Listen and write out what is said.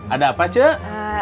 ada apa cuk